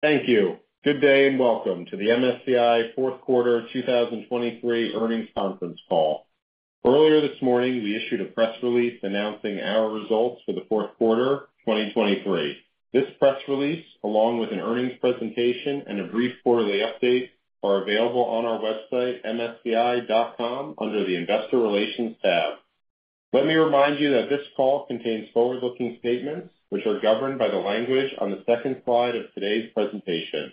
Thank you. Good day, and welcome to the MSCI Fourth Quarter 2023 Earnings Conference Call. Earlier this morning, we issued a press release announcing our results for the fourth quarter 2023. This press release, along with an earnings presentation and a brief quarterly update, are available on our website, msci.com, under the Investor Relations tab. Let me remind you that this call contains forward-looking statements which are governed by the language on the second slide of today's presentation.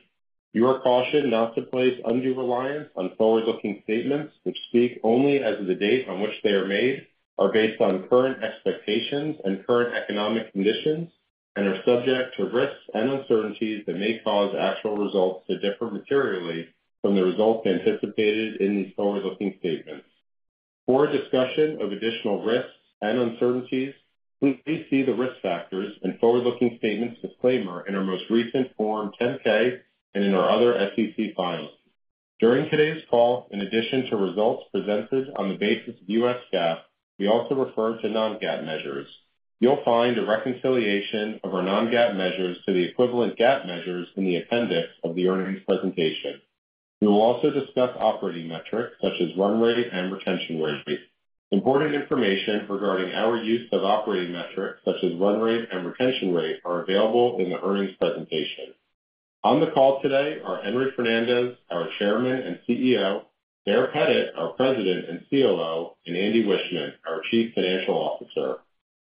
You are cautioned not to place undue reliance on forward-looking statements, which speak only as of the date on which they are made, are based on current expectations and current economic conditions, and are subject to risks and uncertainties that may cause actual results to differ materially from the results anticipated in these forward-looking statements. For a discussion of additional risks and uncertainties, please see the Risk Factors and Forward-Looking Statements disclaimer in our most recent Form 10-K, and in our other SEC filings. During today's call, in addition to results presented on the basis of U.S. GAAP, we also refer to non-GAAP measures. You'll find a reconciliation of our non-GAAP measures to the equivalent GAAP measures in the appendix of the earnings presentation. We will also discuss operating metrics such as run rate and retention rate. Important information regarding our use of operating metrics, such as run rate and retention rate, are available in the earnings presentation. On the call today are Henry Fernandez, our Chairman and CEO, Baer Pettit, our President and COO, and Andy Wiechmann, our Chief Financial Officer.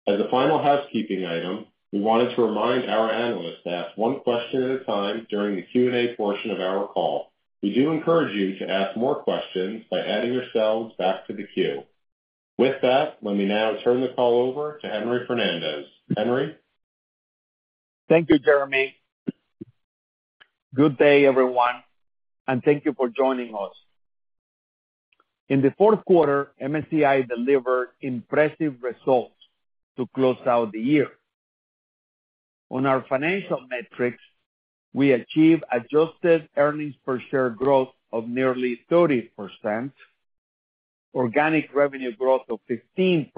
As a final housekeeping item, we wanted to remind our analysts to ask one question at a time during the Q&A portion of our call. We do encourage you to ask more questions by adding yourselves back to the queue. With that, let me now turn the call over to Henry Fernandez. Henry? Thank you, Jeremy. Good day, everyone, and thank you for joining us. In the fourth quarter, MSCI delivered impressive results to close out the year. On our financial metrics, we achieved adjusted earnings per share growth of nearly 30%, organic revenue growth of 15%,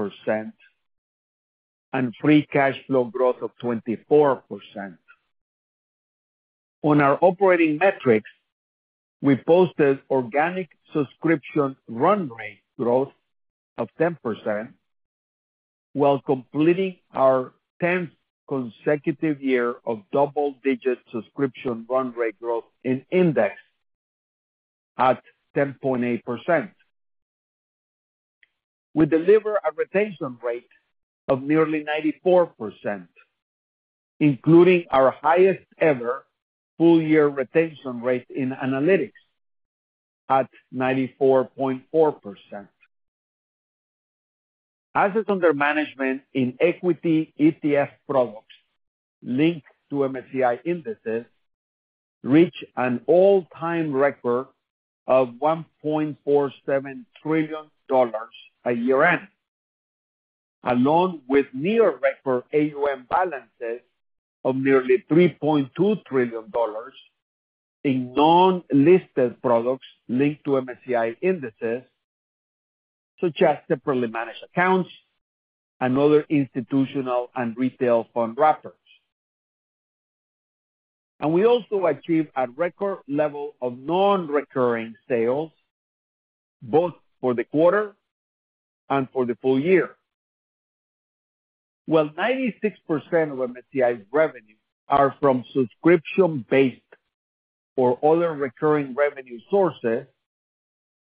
and free cash flow growth of 24%. On our operating metrics, we posted organic subscription run rate growth of 10%, while completing our 10th consecutive year of double-digit subscription run rate growth in Index at 10.8%. We deliver a retention rate of nearly 94%, including our highest ever full year retention rate in Analytics at 94.4%. Assets under management in equity ETF products linked to MSCI indices reached an all-time record of $1.47 trillion at year-end, along with near-record AUM balances of nearly $3.2 trillion in non-listed products linked to MSCI indices, such as separately managed accounts and other institutional and retail fund wrappers. We also achieved a record level of non-recurring sales, both for the quarter and for the full year. While 96% of MSCI's revenue are from subscription-based or other recurring revenue sources,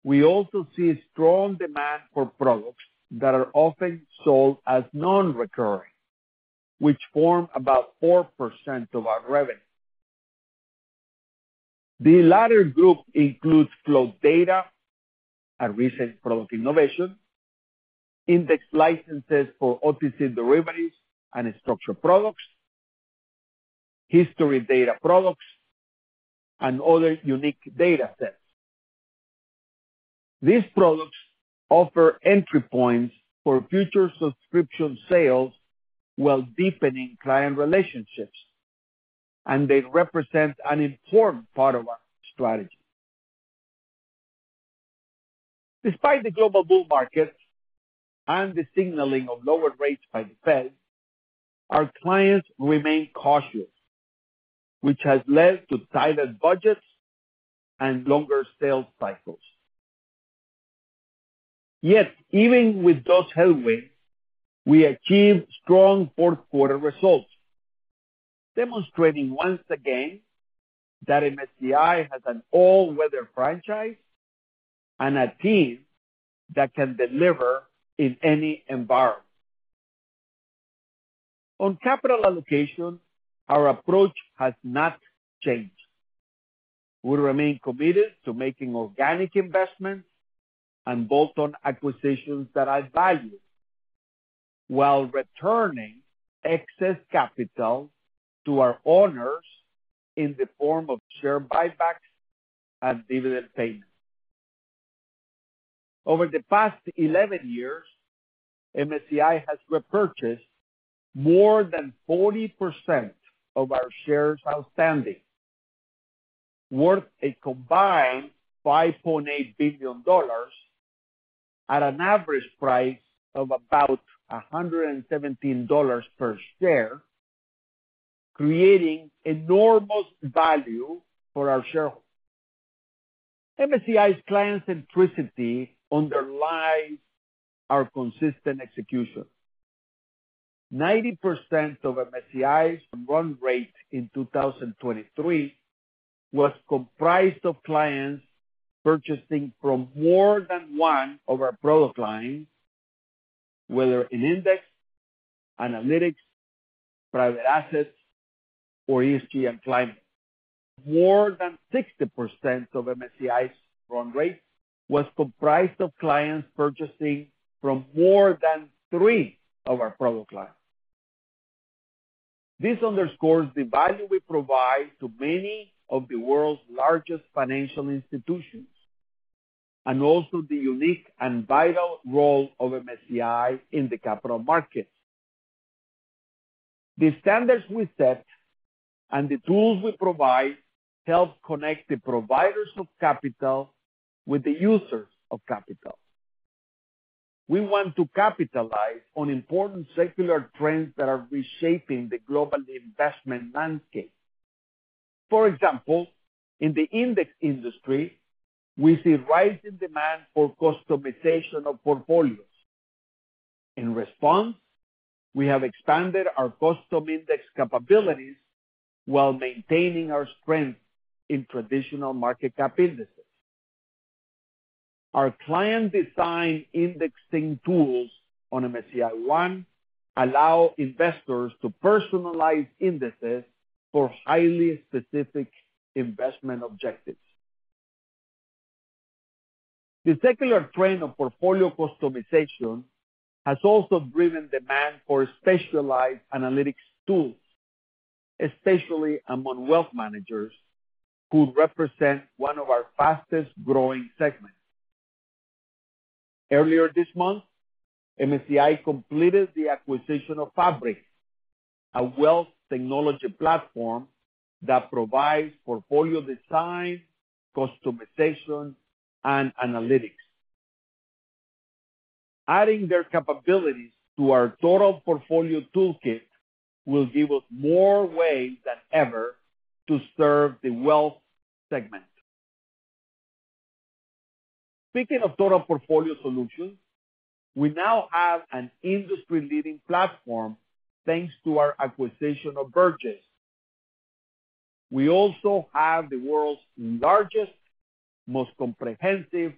we also see strong demand for products that are often sold as non-recurring, which form about 4% of our revenue. The latter group includes flow data, a recent product innovation, index licenses for OTC derivatives and structured products, history data products, and other unique data sets. These products offer entry points for future subscription sales while deepening client relationships, and they represent an important part of our strategy. Despite the global bull market and the signaling of lower rates by the Fed, our clients remain cautious, which has led to tighter budgets and longer sales cycles. Yet, even with those headwinds, we achieved strong fourth quarter results, demonstrating once again that MSCI has an all-weather franchise and a team that can deliver in any environment. On capital allocation, our approach has not changed. We remain committed to making organic investments and bolt-on acquisitions that add value, while returning excess capital to our owners in the form of share buybacks and dividend payments. Over the past 11 years, MSCI has repurchased more than 40% of our shares outstanding, worth a combined $5.8 billion.... at an average price of about $117 per share, creating enormous value for our shareholders. MSCI's client centricity underlies our consistent execution. 90% of MSCI's run rate in 2023 was comprised of clients purchasing from more than one of our product lines, whether in Index, Analytics, Private Assets, or ESG and Climate. More than 60% of MSCI's run rate was comprised of clients purchasing from more than three of our product lines. This underscores the value we provide to many of the world's largest financial institutions, and also the unique and vital role of MSCI in the capital markets. The standards we set and the tools we provide help connect the providers of capital with the users of capital. We want to capitalize on important secular trends that are reshaping the global investment landscape. For example, in the index industry, we see rising demand for customization of portfolios. In response, we have expanded our custom index capabilities while maintaining our strength in traditional market cap indices. Our client design indexing tools on MSCI One allow investors to personalize indices for highly specific investment objectives. The secular trend of portfolio customization has also driven demand for specialized analytics tools, especially among wealth managers, who represent one of our fastest growing segments. Earlier this month, MSCI completed the acquisition of Fabric, a wealth technology platform that provides portfolio design, customization, and analytics. Adding their capabilities to our total portfolio toolkit will give us more ways than ever to serve the wealth segment. Speaking of total portfolio solutions, we now have an industry-leading platform, thanks to our acquisition of Burgiss. We also have the world's largest, most comprehensive,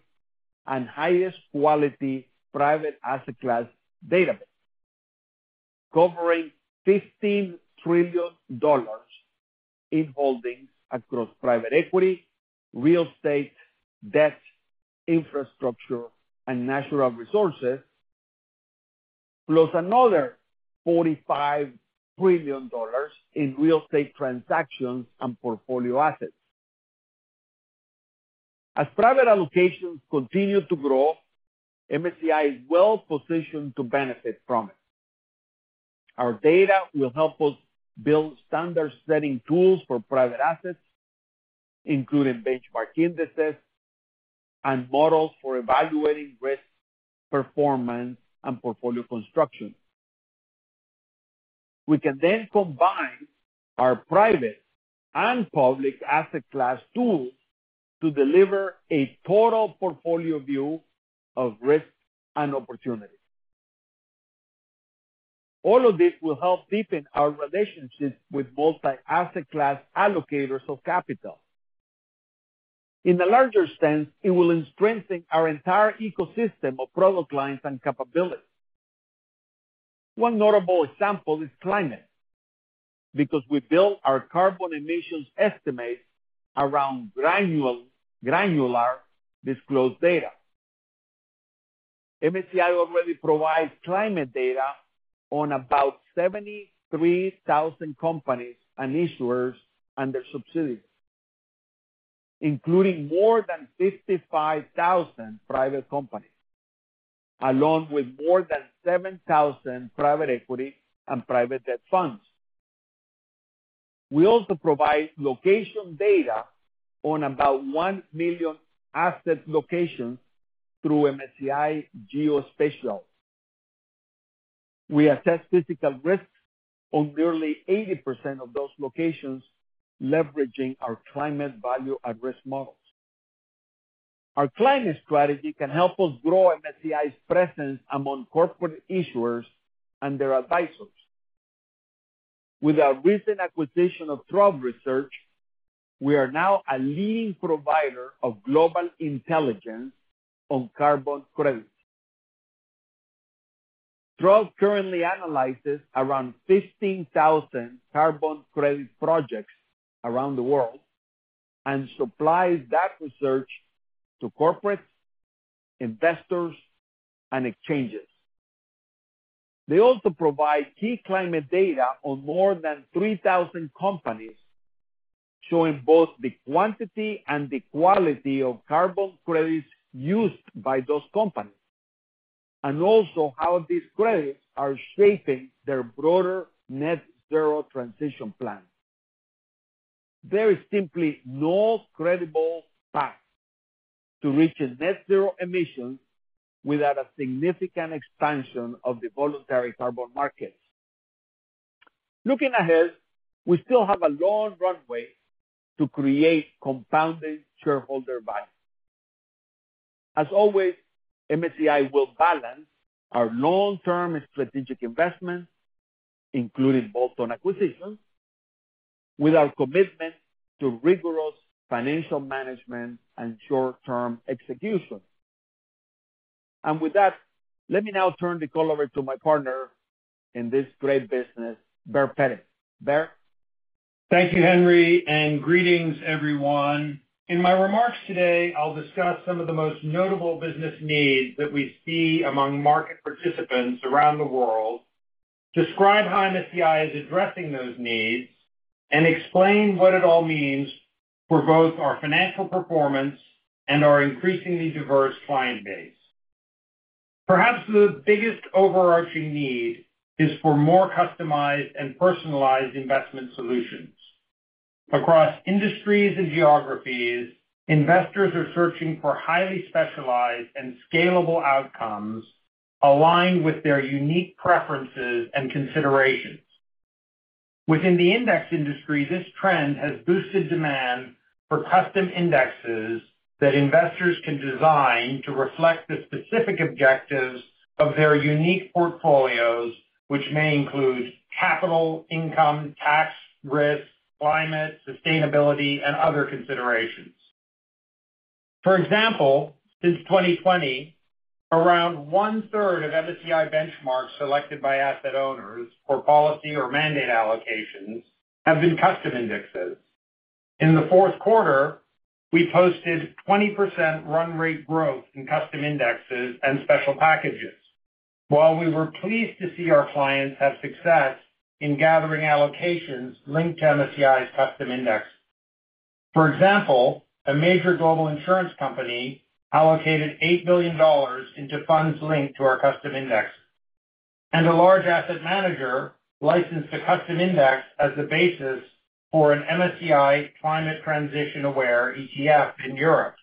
and highest quality private asset class database, covering $15 trillion in holdings across private equity, real estate, debt, infrastructure, and natural resources, plus another $45 billion in real estate transactions and portfolio assets. As private allocations continue to grow, MSCI is well positioned to benefit from it. Our data will help us build standard-setting tools for private assets, including benchmark indices and models for evaluating risk, performance, and portfolio construction. We can then combine our private and public asset class tools to deliver a total portfolio view of risk and opportunity. All of this will help deepen our relationships with multi-asset class allocators of capital. In the larger sense, it will strengthen our entire ecosystem of product lines and capabilities. One notable example is Climate, because we built our carbon emissions estimates around granular disclosed data. MSCI already provides Climate data on about 73,000 companies and issuers and their subsidiaries, including more than 55,000 private companies, along with more than 7,000 private equity and private debt funds. We also provide location data on about 1 million asset locations through MSCI Geospatial. We assess physical risks on nearly 80% of those locations, leveraging our Climate Value-at-Risk models. Our Climate strategy can help us grow MSCI's presence among corporate issuers and their advisors. With our recent acquisition of Trove Research, we are now a leading provider of global intelligence on carbon credits. Trove currently analyzes around 15,000 carbon credit projects around the world and supplies that research to corporates, investors, and exchanges. They also provide key Climate data on more than 3,000 companies, showing both the quantity and the quality of carbon credits used by those companies, and also how these credits are shaping their broader net zero transition plans. There is simply no credible path to reach a net zero emission without a significant expansion of the voluntary carbon markets. Looking ahead, we still have a long runway to create compounded shareholder value. As always, MSCI will balance our long-term strategic investments, including bolt-on acquisitions, with our commitment to rigorous financial management and short-term execution. And with that, let me now turn the call over to my partner in this great business, Baer Pettit. Baer? Thank you, Henry, and greetings everyone. In my remarks today, I'll discuss some of the most notable business needs that we see among market participants around the world, describe how MSCI is addressing those needs, and explain what it all means for both our financial performance and our increasingly diverse client base. Perhaps the biggest overarching need is for more customized and personalized investment solutions. Across industries and geographies, investors are searching for highly specialized and scalable outcomes aligned with their unique preferences and considerations. Within the index industry, this trend has boosted demand for custom indexes that investors can design to reflect the specific objectives of their unique portfolios, which may include capital, income, tax, risk, Climate, sustainability, and other considerations. For example, since 2020, around one-third of MSCI benchmarks selected by asset owners for policy or mandate allocations have been custom indexes. In the fourth quarter, we posted 20% run rate growth in custom indexes and special packages. While we were pleased to see our clients have success in gathering allocations linked to MSCI's custom index. For example, a major global insurance company allocated $8 million into funds linked to our custom index, and a large asset manager licensed a custom index as the basis for an MSCI Climate transition-aware ETF in Europe.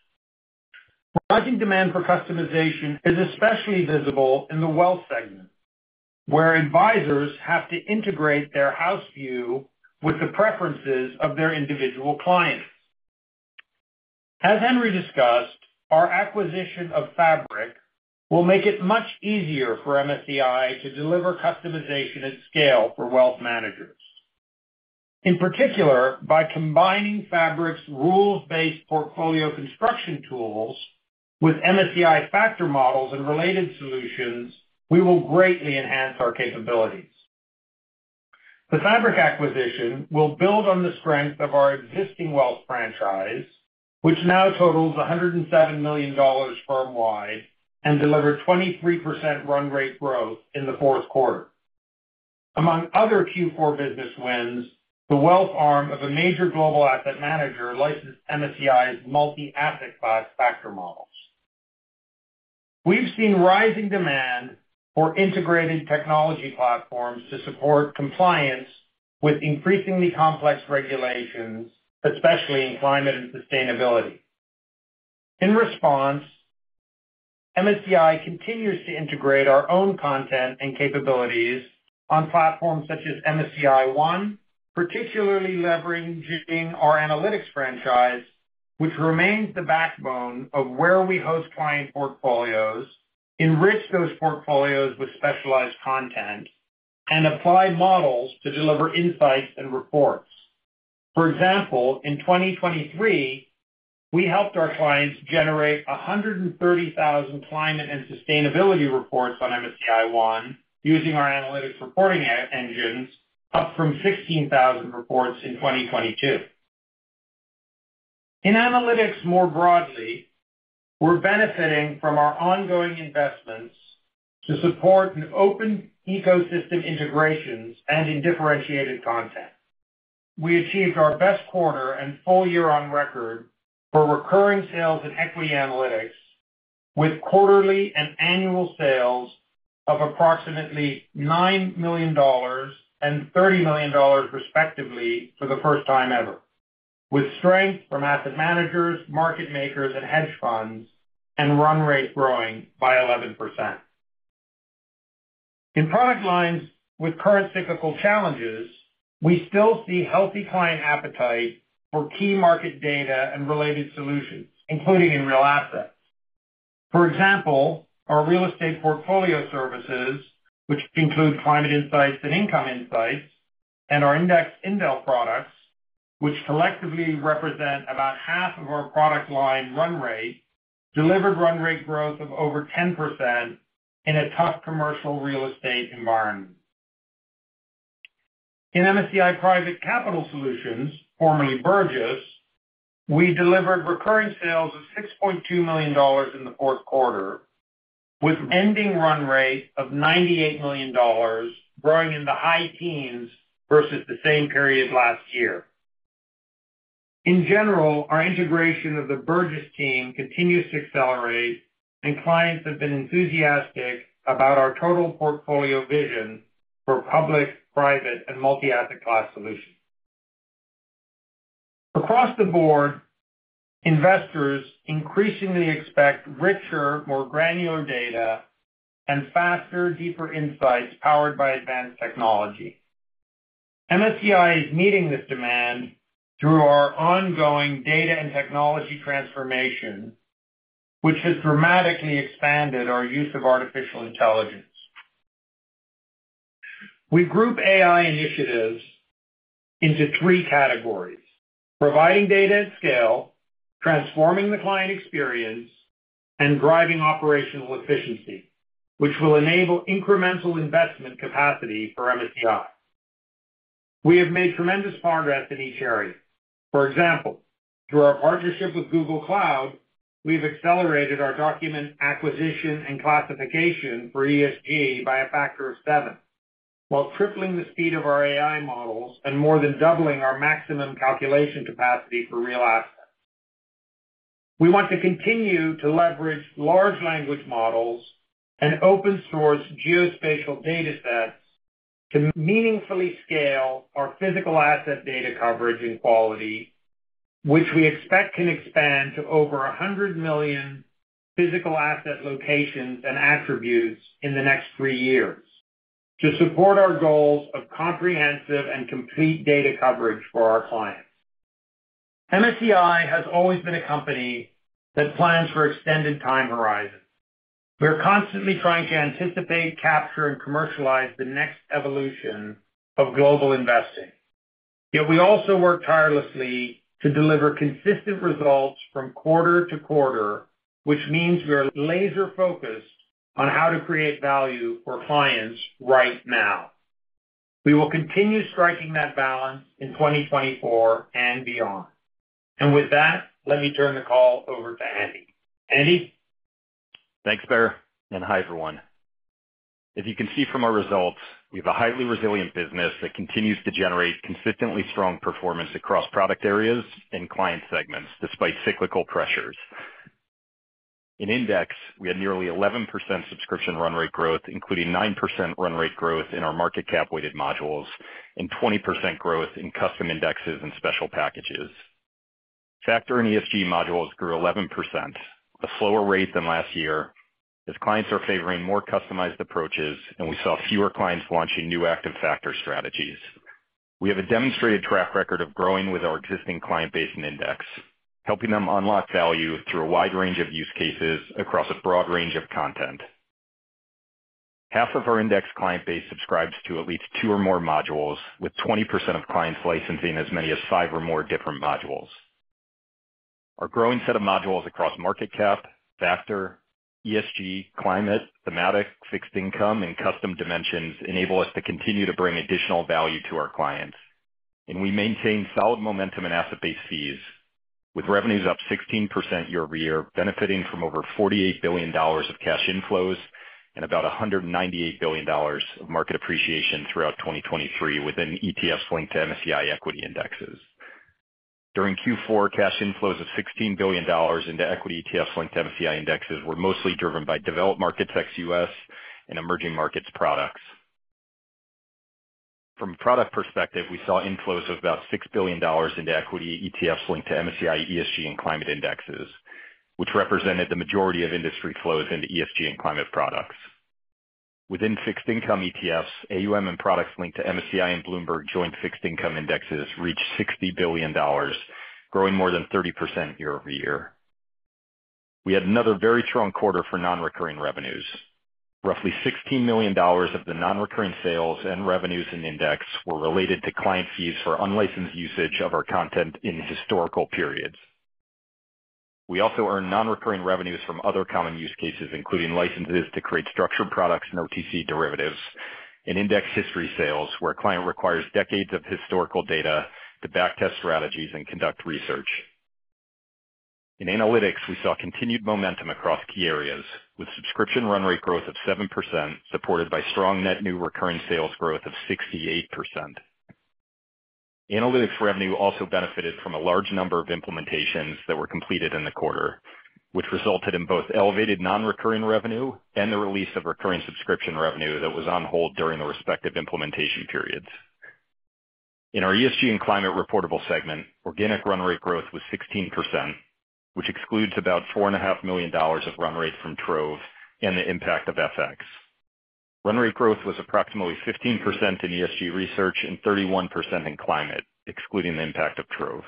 Rising demand for customization is especially visible in the wealth segment, where advisors have to integrate their house view with the preferences of their individual clients. As Henry discussed, our acquisition of Fabric will make it much easier for MSCI to deliver customization at scale for wealth managers. In particular, by combining Fabric's rules-based portfolio construction tools with MSCI factor models and related solutions, we will greatly enhance our capabilities. The Fabric acquisition will build on the strength of our existing wealth franchise, which now totals $107 million firmwide and delivered 23% run rate growth in the fourth quarter. Among other Q4 business wins, the wealth arm of a major global asset manager licensed MSCI's multi-asset class factor models. We've seen rising demand for integrated technology platforms to support compliance with increasingly complex regulations, especially in Climate and sustainability. In response, MSCI continues to integrate our own content and capabilities on platforms such as MSCI One, particularly leveraging our analytics franchise, which remains the backbone of where we host client portfolios, enrich those portfolios with specialized content, and apply models to deliver insights and reports. For example, in 2023, we helped our clients generate 130,000 Climate and sustainability reports on MSCI One using our analytics reporting engines, up from 16,000 reports in 2022. In analytics, more broadly, we're benefiting from our ongoing investments to support an open ecosystem integrations and in differentiated content. We achieved our best quarter and full year on record for recurring sales in Equity Analytics, with quarterly and annual sales of approximately $9 million and $30 million, respectively, for the first time ever, with strength from asset managers, market makers, and hedge funds, and run rate growing by 11%. In product lines with current cyclical challenges, we still see healthy client appetite for key market data and related solutions, including in Real Assets. For example, our Real Estate Portfolio Services, which include Climate insights and income insights, and our Index and Intel products, which collectively represent about half of our product line run rate, delivered run rate growth of over 10% in a tough commercial real estate environment. In MSCI Private Capital Solutions, formerly Burgiss, we delivered recurring sales of $6.2 million in the fourth quarter, with ending run rate of $98 million, growing in the high teens versus the same period last year. In general, our integration of the Burgiss team continues to accelerate, and clients have been enthusiastic about our total portfolio vision, for public, private, and multi-asset class solutions. Across the board, investors increasingly expect richer, more granular data and faster, deeper insights powered by advanced technology. MSCI is meeting this demand through our ongoing data and technology transformation, which has dramatically expanded our use of artificial intelligence. We group AI initiatives into three categories: providing data at scale, transforming the client experience, and driving operational efficiency, which will enable incremental investment capacity for MSCI. We have made tremendous progress in each area. For example, through our partnership with Google Cloud, we've accelerated our document acquisition and classification for ESG by a factor of seven, while tripling the speed of our AI models and more than doubling our maximum calculation capacity for real assets. We want to continue to leverage large language models and open-source geospatial datasets to meaningfully scale our physical asset data coverage and quality, which we expect can expand to over 100 million physical asset locations and attributes in the next three years, to support our goals of comprehensive and complete data coverage for our clients. MSCI has always been a company that plans for extended time horizons. We are constantly trying to anticipate, capture, and commercialize the next evolution of global investing, yet we also work tirelessly to deliver consistent results from quarter to quarter, which means we are laser-focused on how to create value for clients right now. We will continue striking that balance in 2024 and beyond. And with that, let me turn the call over to Andy. Andy? Thanks, Baer, and hi, everyone. As you can see from our results, we have a highly resilient business that continues to generate consistently strong performance across product areas and client segments, despite cyclical pressures. In Index, we had nearly 11% subscription run rate growth, including 9% run rate growth in our market cap weighted modules and 20% growth in custom indexes and special packages. Factor and ESG modules grew 11%, a slower rate than last year, as clients are favoring more customized approaches, and we saw fewer clients launching new active factor strategies. We have a demonstrated track record of growing with our existing client base in Index, helping them unlock value through a wide range of use cases across a broad range of content. Half of our Index client base subscribes to at least two or more modules, with 20% of clients licensing as many as five or more different modules. Our growing set of modules across market cap, factor, ESG, Climate, thematic, fixed income, and custom dimensions enable us to continue to bring additional value to our clients. We maintain solid momentum in asset-based fees, with revenues up 16% year-over-year, benefiting from over $48 billion of cash inflows and about $198 billion of market appreciation throughout 2023 within ETFs linked to MSCI equity indexes. During Q4, cash inflows of $16 billion into equity ETFs linked to MSCI indexes were mostly driven by developed markets, ex-U.S., and emerging markets products. From a product perspective, we saw inflows of about $6 billion into equity ETFs linked to MSCI, ESG, and Climate indexes, which represented the majority of industry flows into ESG and Climate products. Within fixed income ETFs, AUM and products linked to MSCI and Bloomberg joint fixed income indexes reached $60 billion, growing more than 30% year-over-year. We had another very strong quarter for non-recurring revenues. Roughly $16 million of the non-recurring sales and revenues in Index were related to client fees for unlicensed usage of our content in historical periods. We also earned non-recurring revenues from other common use cases, including licenses to create structured products and OTC derivatives, and Index History sales, where a client requires decades of historical data to back-test strategies and conduct research. In Analytics, we saw continued momentum across key areas, with subscription run rate growth of 7%, supported by strong net new recurring sales growth of 68%. Analytics revenue also benefited from a large number of implementations that were completed in the quarter, which resulted in both elevated non-recurring revenue and the release of recurring subscription revenue that was on hold during the respective implementation periods. In our ESG and Climate reportable segment, organic run rate growth was 16%, which excludes about $4.5 million of run rate from Trove and the impact of FX. Run rate growth was approximately 15% in ESG Research and 31% in Climate, excluding the impact of Trove.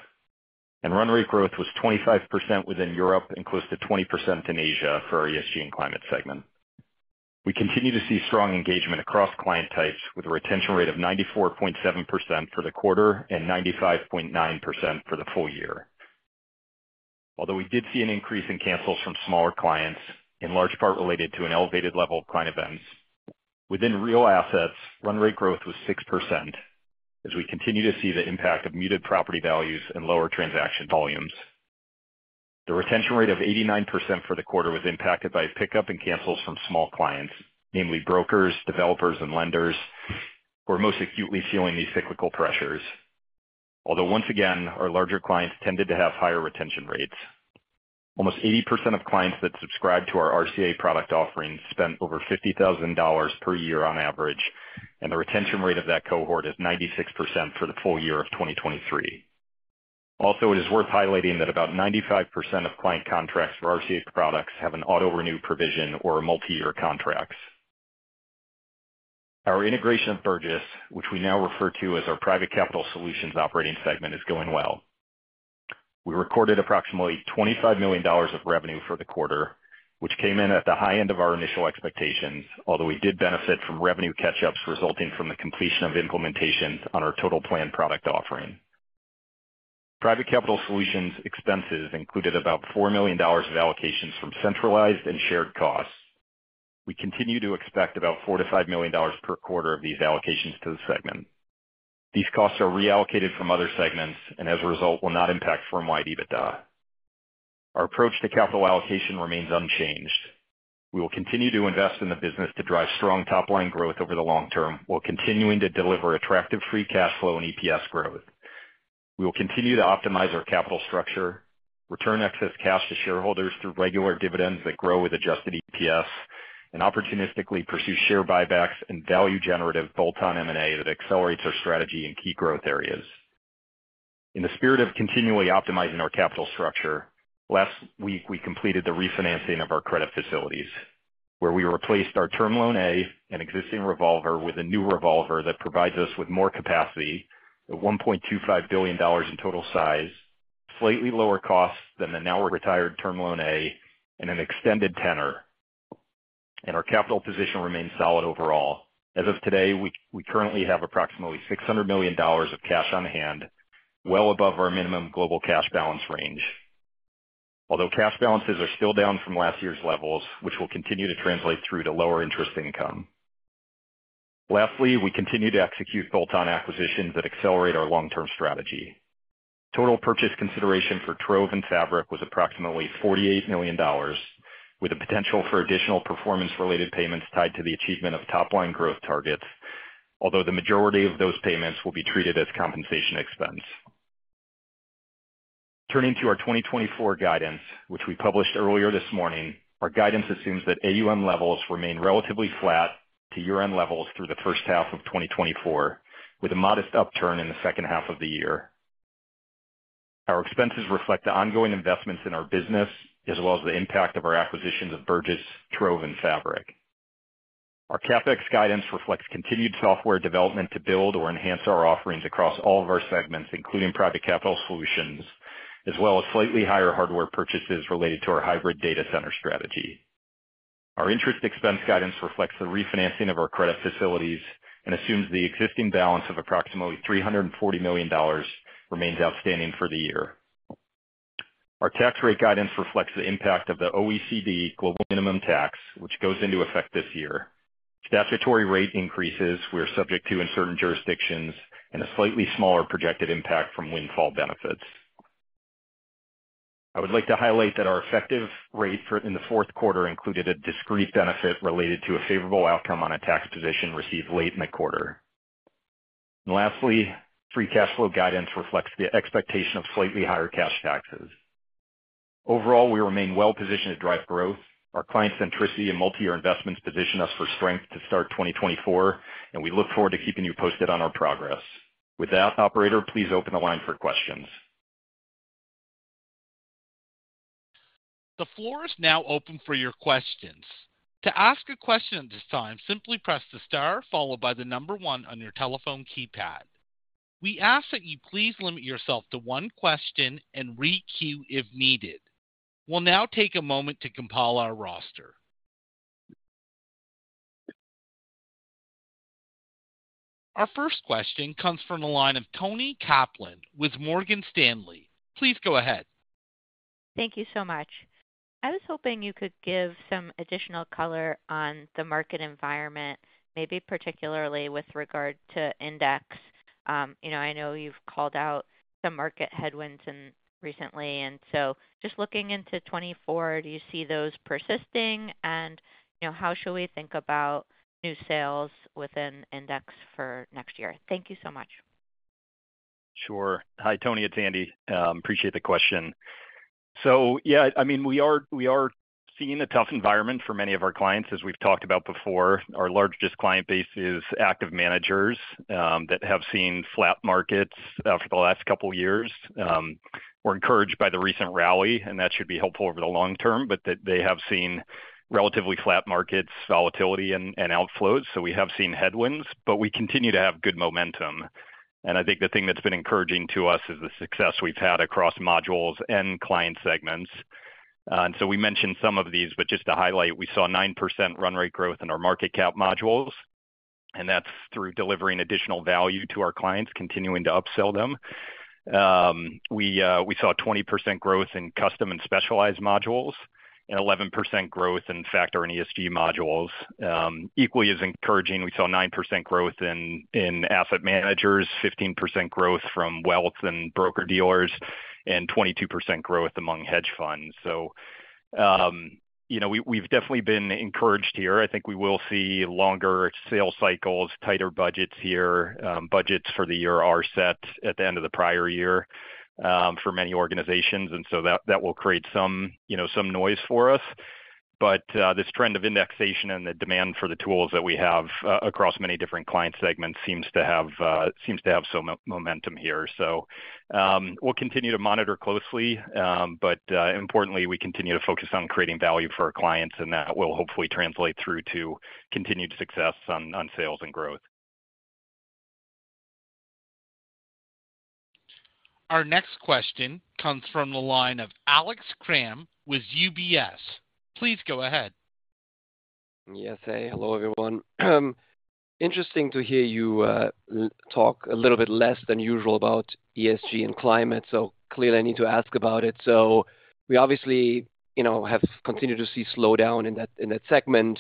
Run rate growth was 25% within Europe and close to 20% in Asia for our ESG and Climate segment. We continue to see strong engagement across client types, with a retention rate of 94.7% for the quarter and 95.9% for the full year. Although we did see an increase in cancels from smaller clients, in large part related to an elevated level of client events, within Real Assets, run rate growth was 6%, as we continue to see the impact of muted property values and lower transaction volumes. The retention rate of 89% for the quarter was impacted by a pickup in cancels from small clients, namely brokers, developers, and lenders, who are most acutely feeling these cyclical pressures. Although, once again, our larger clients tended to have higher retention rates. Almost 80% of clients that subscribe to our RCA product offerings spent over $50,000 per year on average, and the retention rate of that cohort is 96% for the full year of 2023. Also, it is worth highlighting that about 95% of client contracts for RCA products have an auto renew provision or multi-year contracts. Our integration of Burgiss, which we now refer to as our Private Capital Solutions operating segment, is going well. We recorded approximately $25 million of revenue for the quarter, which came in at the high end of our initial expectations, although we did benefit from revenue catch-ups resulting from the completion of implementations on our total planned product offering. Private Capital Solutions expenses included about $4 million of allocations from centralized and shared costs. We continue to expect about $4 million-$5 million per quarter of these allocations to the segment. These costs are reallocated from other segments and as a result, will not impact firm-wide EBITDA. Our approach to capital allocation remains unchanged. We will continue to invest in the business to drive strong top line growth over the long term, while continuing to deliver attractive free cash flow and EPS growth. We will continue to optimize our capital structure, return excess cash to shareholders through regular dividends that grow with adjusted EPS, and opportunistically pursue share buybacks and value-generative bolt-on M&A that accelerates our strategy in key growth areas. In the spirit of continually optimizing our capital structure, last week, we completed the refinancing of our credit facilities, where we replaced our Term Loan A, an existing revolver, with a new revolver that provides us with more capacity at $1.25 billion in total size, slightly lower costs than the now-retired Term Loan A, and an extended tenor. Our capital position remains solid overall. As of today, we currently have approximately $600 million of cash on hand, well above our minimum global cash balance range, although cash balances are still down from last year's levels, which will continue to translate through to lower interest income. Lastly, we continue to execute bolt-on acquisitions that accelerate our long-term strategy. Total purchase consideration for Trove and Fabric was approximately $48 million, with the potential for additional performance-related payments tied to the achievement of top-line growth targets, although the majority of those payments will be treated as compensation expense. Turning to our 2024 guidance, which we published earlier this morning, our guidance assumes that AUM levels remain relatively flat to year-end levels through the first half of 2024, with a modest upturn in the second half of the year. Our expenses reflect the ongoing investments in our business, as well as the impact of our acquisitions of Burgiss, Trove and Fabric. Our CapEx guidance reflects continued software development to build or enhance our offerings across all of our segments, including Private Capital Solutions, as well as slightly higher hardware purchases related to our hybrid data center strategy. Our interest expense guidance reflects the refinancing of our credit facilities and assumes the existing balance of approximately $340 million remains outstanding for the year. Our tax rate guidance reflects the impact of the OECD Global Minimum Tax, which goes into effect this year. Statutory rate increases we are subject to in certain jurisdictions and a slightly smaller projected impact from windfall benefits. I would like to highlight that our effective rate for in the fourth quarter included a discrete benefit related to a favorable outcome on a tax position received late in the quarter. Lastly, free cash flow guidance reflects the expectation of slightly higher cash taxes. Overall, we remain well positioned to drive growth. Our client centricity and multi-year investments position us for strength to start 2024, and we look forward to keeping you posted on our progress. With that, operator, please open the line for questions. The floor is now open for your questions. To ask a question at this time, simply press the star followed by the number one on your telephone keypad. We ask that you please limit yourself to one question and re-queue if needed. We'll now take a moment to compile our roster. Our first question comes from the line of Toni Kaplan with Morgan Stanley. Please go ahead. Thank you so much. I was hoping you could give some additional color on the market environment, maybe particularly with regard to Index. You know, I know you've called out some market headwinds in recent, and so just looking into 2024, do you see those persisting? And, you know, how should we think about new sales within Index for next year? Thank you so much. Sure. Hi, Toni, it's Andy. Appreciate the question. So yeah, I mean, we are, we are seeing a tough environment for many of our clients, as we've talked about before. Our largest client base is active managers, that have seen flat markets for the last couple of years. We're encouraged by the recent rally, and that should be helpful over the long term, but they, they have seen relatively flat markets, volatility and, and outflows. So we have seen headwinds, but we continue to have good momentum. And I think the thing that's been encouraging to us is the success we've had across modules and client segments. And so we mentioned some of these, but just to highlight, we saw 9% run rate growth in our market cap modules, and that's through delivering additional value to our clients, continuing to upsell them. We saw 20% growth in custom and specialized modules and 11% growth in factor and ESG modules. Equally as encouraging, we saw 9% growth in asset managers, 15% growth from wealth and broker-dealers, and 22% growth among hedge funds. You know, we've definitely been encouraged here. I think we will see longer sales cycles, tighter budgets here. Budgets for the year are set at the end of the prior year, for many organizations, and so that will create some, you know, some noise for us. But, this trend of indexation and the demand for the tools that we have, across many different client segments seems to have some momentum here. We'll continue to monitor closely, but importantly, we continue to focus on creating value for our clients, and that will hopefully translate through to continued success on sales and growth. Our next question comes from the line of Alex Kramm with UBS. Please go ahead. Yes. Hey, hello, everyone. Interesting to hear you talk a little bit less than usual about ESG and Climate, so clearly I need to ask about it. So we obviously, you know, have continued to see slowdown in that, in that segment,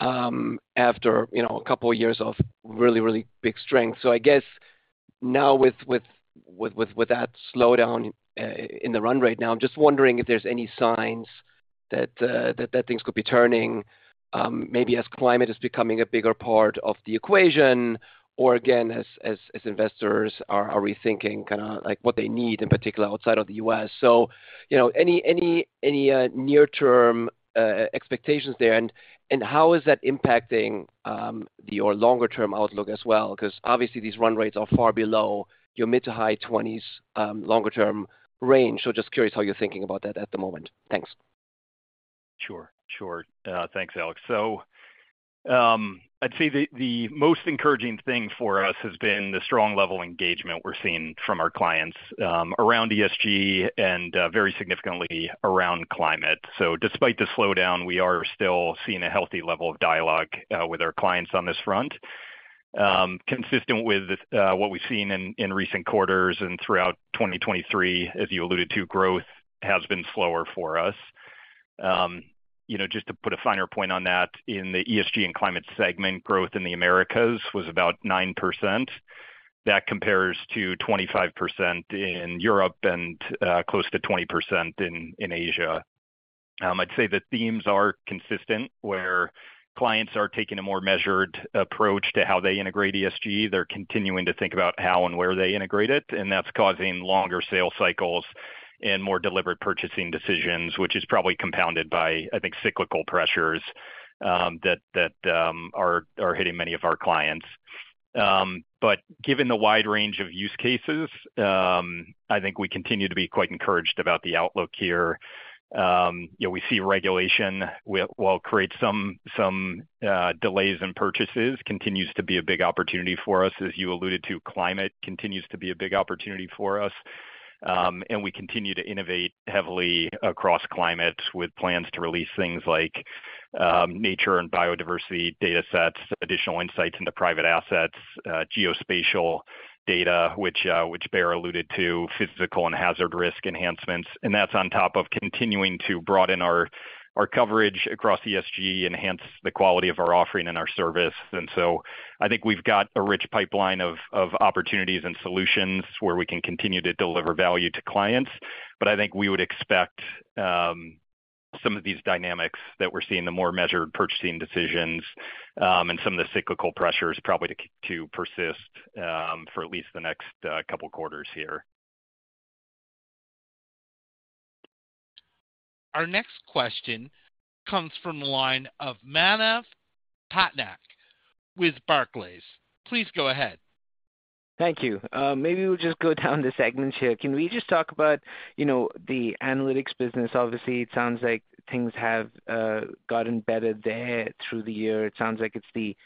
after, you know, a couple of years of really, really big strength. So I guess now with that slowdown in the run rate now, I'm just wondering if there's any signs that that things could be turning, maybe as Climate is becoming a bigger part of the equation, or again, as investors are rethinking kinda like what they need, in particular outside of the U.S. So, you know, any near-term expectations there, and how is that impacting your longer-term outlook as well? 'Cause obviously these run rates are far below your mid- to high 20s longer term range. So just curious how you're thinking about that at the moment? Thanks. Sure, sure. Thanks, Alex. So, I'd say the most encouraging thing for us has been the strong level of engagement we're seeing from our clients around ESG and very significantly around Climate. So despite the slowdown, we are still seeing a healthy level of dialogue with our clients on this front. Consistent with what we've seen in recent quarters and throughout 2023, as you alluded to, growth has been slower for us. You know, just to put a finer point on that, in the ESG and Climate segment, growth in the Americas was about 9%. That compares to 25% in Europe and close to 20% in Asia. I'd say the themes are consistent, where clients are taking a more measured approach to how they integrate ESG. They're continuing to think about how and where they integrate it, and that's causing longer sales cycles and more deliberate purchasing decisions, which is probably compounded by, I think, cyclical pressures that are hitting many of our clients. But given the wide range of use cases, I think we continue to be quite encouraged about the outlook here. You know, we see regulation will create some delays in purchases, continues to be a big opportunity for us. As you alluded to, Climate continues to be a big opportunity for us, and we continue to innovate heavily across Climate, with plans to release things like nature and biodiversity datasets, additional insights into private assets, geospatial data, which Baer alluded to, physical and hazard risk enhancements. And that's on top of continuing to broaden our coverage across ESG, enhance the quality of our offering and our service. And so I think we've got a rich pipeline of opportunities and solutions where we can continue to deliver value to clients. But I think we would expect some of these dynamics that we're seeing, the more measured purchasing decisions, and some of the cyclical pressures probably to persist for at least the next couple quarters here. Our next question comes from the line of Manav Patnaik with Barclays. Please go ahead. Thank you. Maybe we'll just go down the segments here. Can we just talk about, you know, the analytics business? Obviously, it sounds like things have gotten better there through the year. It sounds like it's the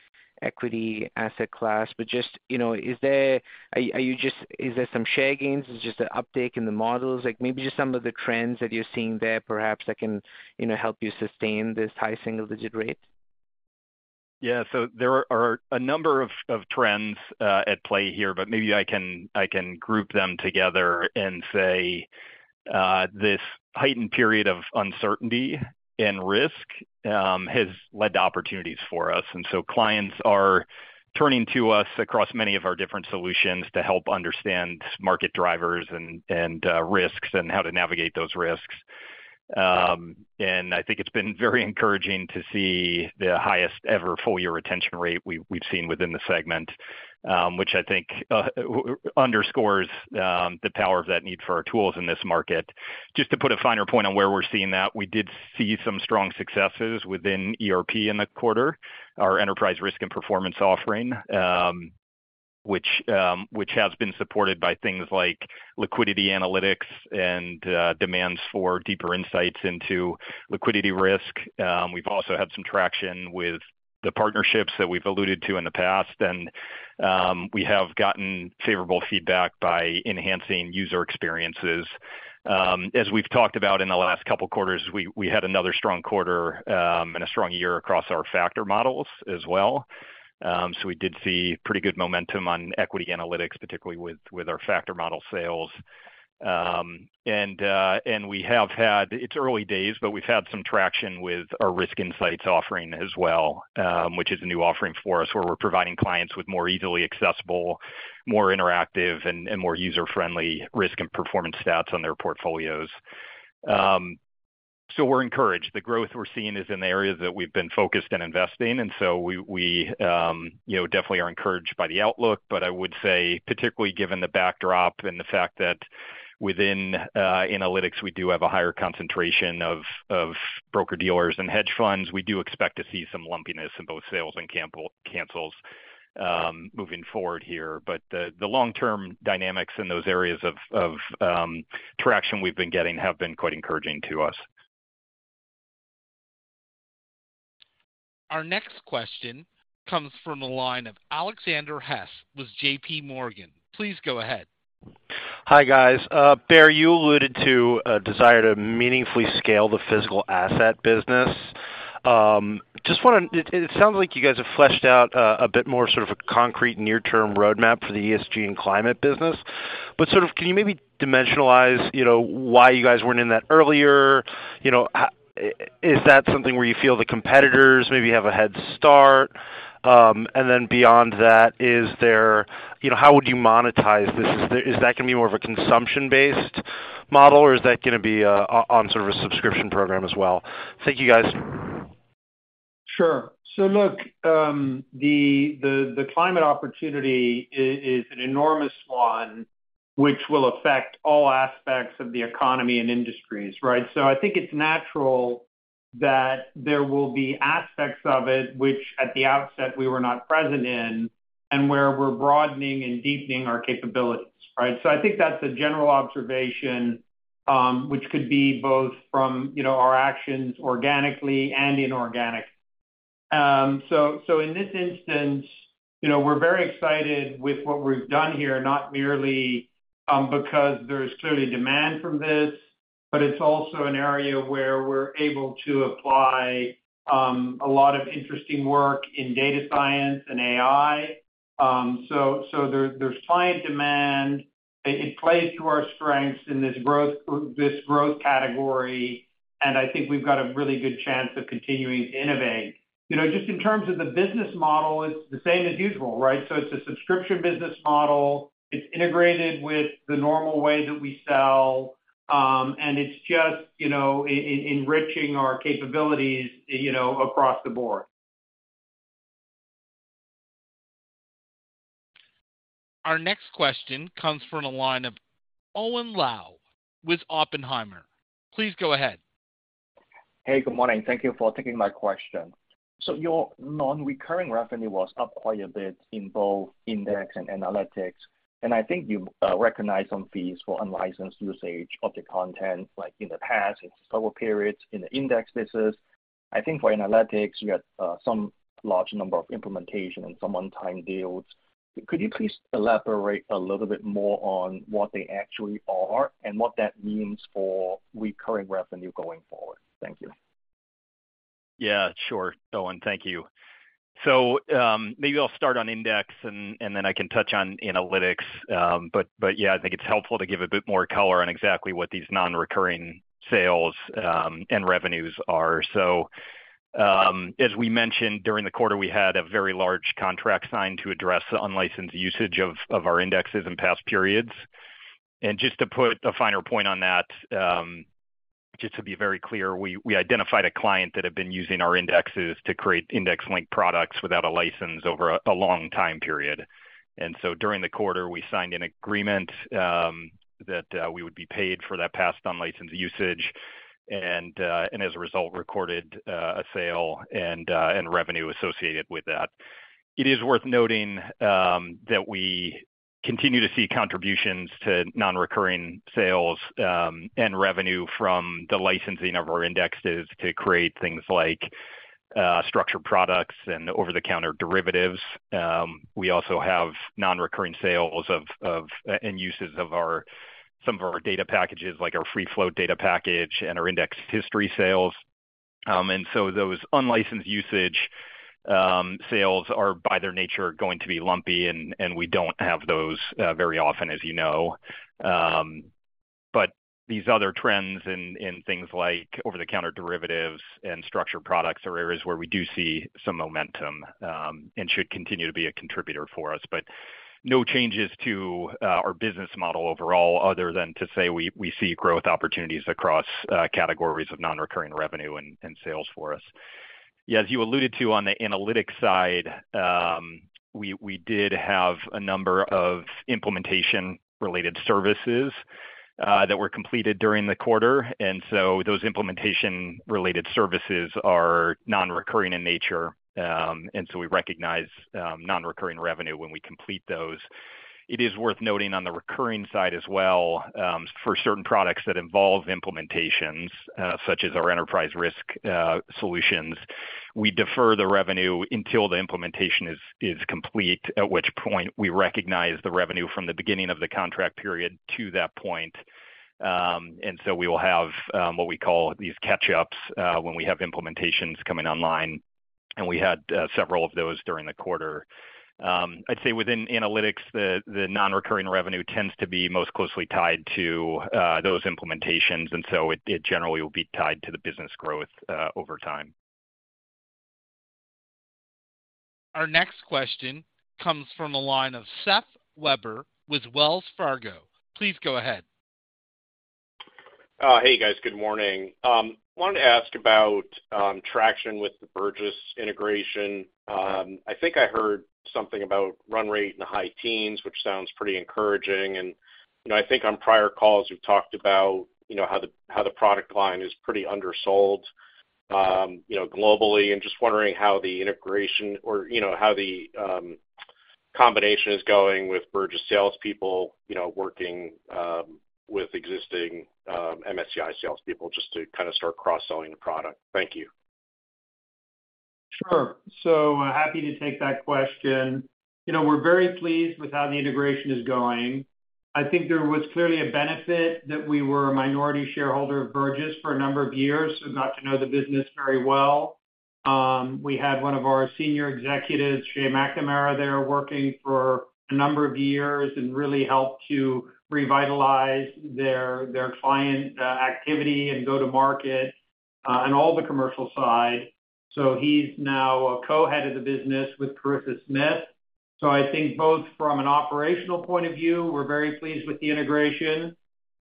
equity asset class, but just, you know, is there—are, are you just—is there some share gains? Is it just an uptick in the models? Like, maybe just some of the trends that you're seeing there, perhaps, that can, you know, help you sustain this high single-digit rate. Yeah. So there are a number of trends at play here, but maybe I can group them together and say this heightened period of uncertainty and risk has led to opportunities for us. And so clients are turning to us across many of our different solutions to help understand market drivers and risks and how to navigate those risks. And I think it's been very encouraging to see the highest ever full-year retention rate we've seen within the segment, which I think underscores the power of that need for our tools in this market. Just to put a finer point on where we're seeing that, we did see some strong successes within ERP in the quarter, our Enterprise Risk and Performance offering, which has been supported by things like liquidity analytics and demands for deeper insights into liquidity risk. We've also had some traction with the partnerships that we've alluded to in the past, and we have gotten favorable feedback by enhancing user experiences. As we've talked about in the last couple quarters, we had another strong quarter and a strong year across our factor models as well. So we did see pretty good momentum on Equity Analytics, particularly with our factor model sales. And we have had It's early days, but we've had some traction with our Risk Insights offering as well, which is a new offering for us, where we're providing clients with more easily accessible, more interactive and more user-friendly risk and performance stats on their portfolios. So we're encouraged. The growth we're seeing is in the areas that we've been focused and investing, and so we, we, you know, definitely are encouraged by the outlook. But I would say, particularly given the backdrop and the fact that within analytics, we do have a higher concentration of broker-dealers and hedge funds, we do expect to see some lumpiness in both sales and cancels, moving forward here. But the long-term dynamics in those areas of traction we've been getting have been quite encouraging to us. Our next question comes from the line of Alexander Hess, with JP Morgan. Please go ahead. Hi, guys. Baer, you alluded to a desire to meaningfully scale the physical asset business. Just want to sounds like you guys have fleshed out a bit more sort of a concrete near-term roadmap for the ESG and Climate business. But sort of can you maybe dimensionalize, you know, why you guys weren't in that earlier? You know, is that something where you feel the competitors maybe have a head start? And then beyond that, is there. You know, how would you monetize this? Is that going to be more of a consumption-based model, or is that gonna be on sort of a subscription program as well? Thank you, guys. Sure. So look, the Climate opportunity is an enormous one, which will affect all aspects of the economy and industries, right? So I think it's natural that there will be aspects of it, which at the outset, we were not present in, and where we're broadening and deepening our capabilities, right? So I think that's a general observation, which could be both from, you know, our actions organically and inorganically. So in this instance, you know, we're very excited with what we've done here, not merely because there's clearly demand from this, but it's also an area where we're able to apply a lot of interesting work in data science and AI. So there's client demand. It plays to our strengths in this growth category, and I think we've got a really good chance of continuing to innovate. You know, just in terms of the business model, it's the same as usual, right? So it's a subscription business model, it's integrated with the normal way that we sell, and it's just, you know, enriching our capabilities, you know, across the board. Our next question comes from the line of Owen Lau with Oppenheimer. Please go ahead. Hey, good morning. Thank you for taking my question. So your non-recurring revenue was up quite a bit in both Index and analytics, and I think you recognized some fees for unlicensed usage of the content, like in the past, in several periods in the Index business. I think for analytics, you had some large number of implementation and some one-time deals. Could you please elaborate a little bit more on what they actually are and what that means for recurring revenue going forward? Thank you. Yeah, sure, Owen. Thank you. So, maybe I'll start on Index and then I can touch on analytics. But yeah, I think it's helpful to give a bit more color on exactly what these non-recurring sales and revenues are. So, as we mentioned, during the quarter, we had a very large contract signed to address the unlicensed usage of our indexes in past periods. And just to put a finer point on that, just to be very clear, we identified a client that had been using our indexes to create index-linked products without a license over a long time period. And so during the quarter, we signed an agreement that we would be paid for that past unlicensed usage, and as a result, recorded a sale and revenue associated with that. It is worth noting that we continue to see contributions to non-recurring sales and revenue from the licensing of our indexes to create things like structured products and over-the-counter derivatives. We also have non-recurring sales of and uses of our some of our data packages, like our free float data package and our Index History sales. And so those unlicensed usage sales are, by their nature, going to be lumpy, and we don't have those very often, as you know. But these other trends in things like over-the-counter derivatives and structured products are areas where we do see some momentum and should continue to be a contributor for us. But no changes to our business model overall, other than to say we see growth opportunities across categories of non-recurring revenue and sales for us. Yeah, as you alluded to on the analytics side, we did have a number of implementation-related services that were completed during the quarter, and so those implementation-related services are non-recurring in nature, and so we recognize non-recurring revenue when we complete those. It is worth noting on the recurring side as well, for certain products that involve implementations, such as our enterprise risk solutions, we defer the revenue until the implementation is complete, at which point we recognize the revenue from the beginning of the contract period to that point. And so we will have what we call these catch-ups when we have implementations coming online, and we had several of those during the quarter. I'd say within analytics, the non-recurring revenue tends to be most closely tied to those implementations, and so it generally will be tied to the business growth over time. Our next question comes from the line of Seth Weber with Wells Fargo. Please go ahead. Hey, guys, good morning. Wanted to ask about traction with the Burgiss integration. I think I heard something about run rate in the high teens, which sounds pretty encouraging. You know, I think on prior calls, you've talked about, you know, how the product line is pretty undersold, you know, globally, and just wondering how the integration or, you know, combination is going with Burgiss salespeople, you know, working with existing MSCI salespeople, just to kind of start cross-selling the product. Thank you. Sure. So, happy to take that question. You know, we're very pleased with how the integration is going. I think there was clearly a benefit that we were a minority shareholder of Burgiss for a number of years, so we got to know the business very well. We had one of our senior executives, Jay McNamara, there working for a number of years and really helped to revitalize their client activity and go-to-market and all the commercial side. So he's now a co-head of the business with Carissa Smith. So I think both from an operational point of view, we're very pleased with the integration.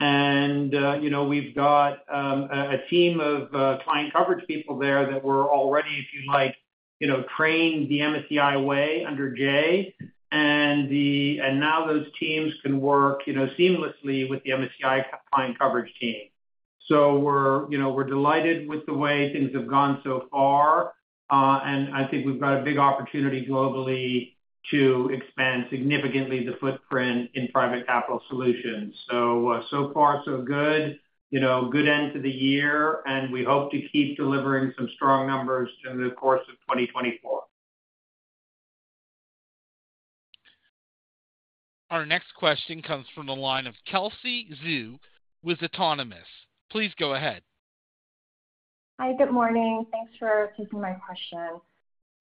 And, you know, we've got a team of client coverage people there that were already, if you like, you know, trained the MSCI way under Jay. And now those teams can work, you know, seamlessly with the MSCI client coverage team. So we're, you know, we're delighted with the way things have gone so far, and I think we've got a big opportunity globally to expand significantly the footprint in Private Capital Solutions. So, so far, so good. You know, good end to the year, and we hope to keep delivering some strong numbers during the course of 2024. Our next question comes from the line of Kelsey Zhu, with Autonomous. Please go ahead. Hi, good morning. Thanks for taking my question.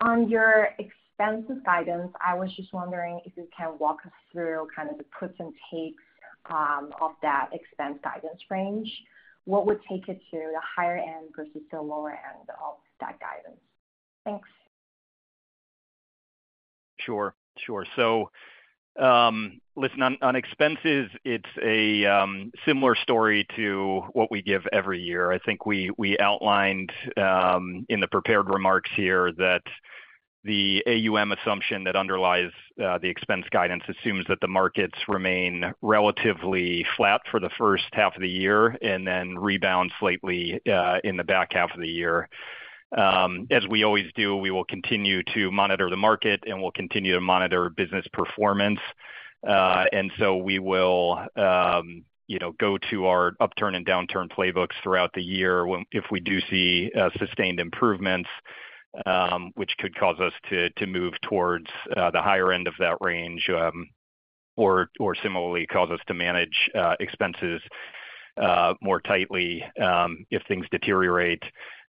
On your expenses guidance, I was just wondering if you can walk us through kind of the puts and takes of that expense guidance range. What would take it to the higher end versus the lower end of that guidance? Thanks. Sure, sure. So, listen, on expenses, it's a similar story to what we give every year. I think we, we outlined in the prepared remarks here that the AUM assumption that underlies the expense guidance assumes that the markets remain relatively flat for the first half of the year and then rebound slightly in the back half of the year. As we always do, we will continue to monitor the market, and we'll continue to monitor business performance. And so we will, you know, go to our upturn and downturn playbooks throughout the year when if we do see sustained improvements, which could cause us to, to move towards the higher end of that range, or, or similarly, cause us to manage expenses more tightly if things deteriorate.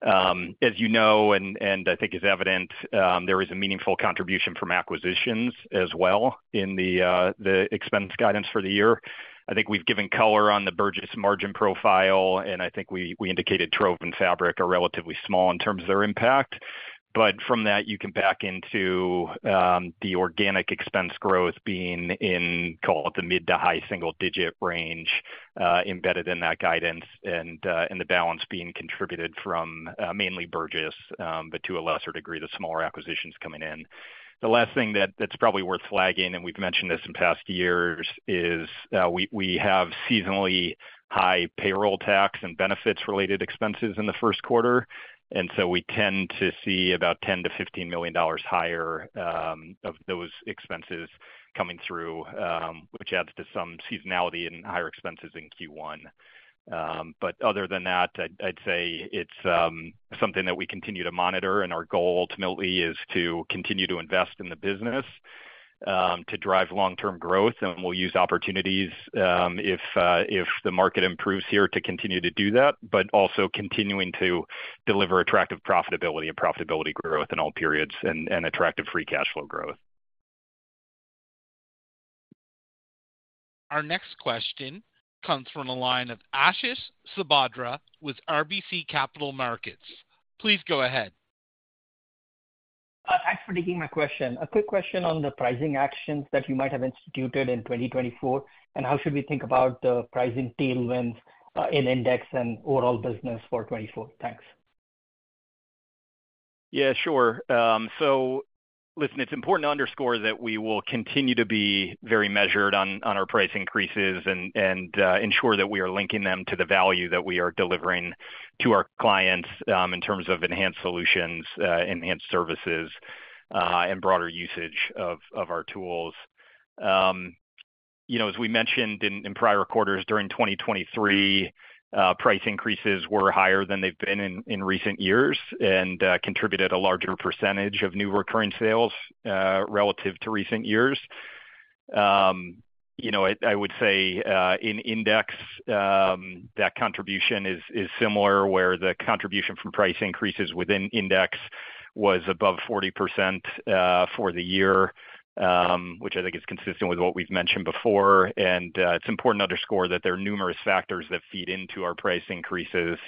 As you know, and I think is evident, there is a meaningful contribution from acquisitions as well in the expense guidance for the year. I think we've given color on the Burgiss margin profile, and I think we indicated Trove and Fabric are relatively small in terms of their impact. But from that, you can back into the organic expense growth being in, call it, the mid to high single digit range, embedded in that guidance and the balance being contributed from mainly Burgiss, but to a lesser degree, the smaller acquisitions coming in. The last thing that's probably worth flagging, and we've mentioned this in past years, is we have seasonally high payroll tax and benefits-related expenses in the first quarter, and so we tend to see about $10-$15 million higher of those expenses coming through, which adds to some seasonality and higher expenses in Q1. But other than that, I'd say it's something that we continue to monitor, and our goal ultimately is to continue to invest in the business to drive long-term growth. We'll use opportunities, if the market improves here, to continue to do that, but also continuing to deliver attractive profitability and profitability growth in all periods and attractive free cash flow growth. Our next question comes from the line of Ashish Sabadra with RBC Capital Markets. Please go ahead. Thanks for taking my question. A quick question on the pricing actions that you might have instituted in 2024, and how should we think about the pricing tailwinds, in Index and overall business for 2024? Thanks. Yeah, sure. So listen, it's important to underscore that we will continue to be very measured on our price increases and ensure that we are linking them to the value that we are delivering to our clients, in terms of enhanced solutions, enhanced services, and broader usage of our tools. You know, as we mentioned in prior quarters, during 2023, price increases were higher than they've been in recent years and contributed a larger percentage of new recurring sales, relative to recent years. You know, I would say, in Index, that contribution is similar, where the contribution from price increases within Index was above 40%, for the year, which I think is consistent with what we've mentioned before. It's important to underscore that there are numerous factors that feed into our price increases,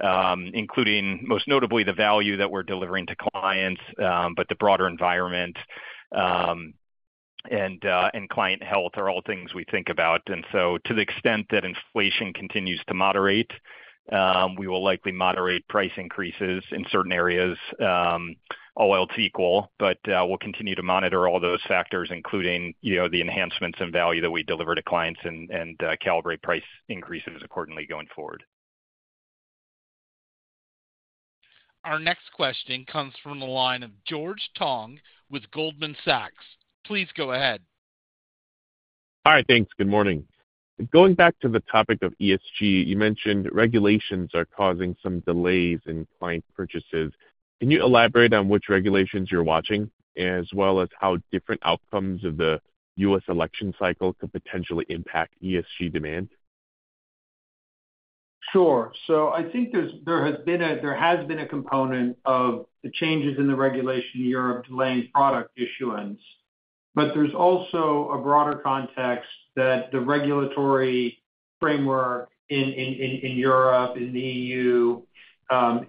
including most notably the value that we're delivering to clients, but the broader environment, and client health are all things we think about. So to the extent that inflation continues to moderate, we will likely moderate price increases in certain areas, all else equal. But we'll continue to monitor all those factors, including, you know, the enhancements and value that we deliver to clients and calibrate price increases accordingly going forward. Our next question comes from the line of George Tong with Goldman Sachs. Please go ahead. Hi, thanks. Good morning. Going back to the topic of ESG, you mentioned regulations are causing some delays in client purchases. Can you elaborate on which regulations you're watching, as well as how different outcomes of the U.S. election cycle could potentially impact ESG demand? Sure. So I think there has been a component of the changes in the regulation in Europe delaying product issuance. But there's also a broader context that the regulatory framework in Europe, in the EU,